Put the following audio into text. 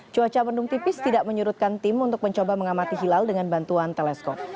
cuaca mendung tipis tidak menyurutkan tim untuk mencoba mengamati hilal dengan bantuan teleskop